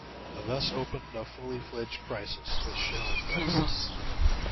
Thus opened a fully-fledged crisis, the Shell Crisis.